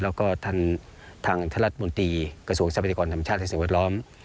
แล้วก็ทางทหารัฐมนตรีกระทรวงทรัพยากรธรรมชาติธรรมวัดล้อม